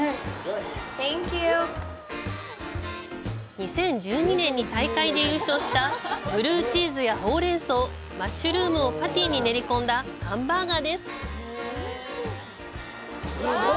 ２０１２年に大会で優勝したブルーチーズやホウレンソウマッシュルームをパティに練り込んだハンバーガーです。